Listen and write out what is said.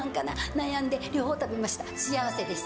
悩んで、両方食べました、幸せです。